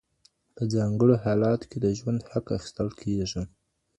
په ځانګړو حالاتو کي د ژوند حق اخیستل کېږي.